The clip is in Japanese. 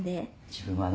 自分はな